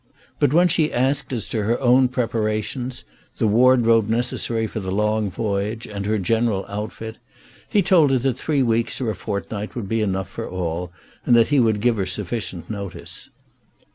But when she asked as to her own preparations, the wardrobe necessary for the long voyage and her general outfit, he told her that three weeks or a fortnight would be enough for all, and that he would give her sufficient notice.